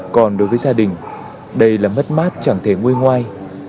còn đối với gia đình đây là mất mát chẳng thể nguôi ngoai